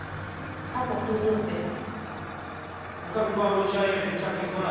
韓国ＫＢＳです。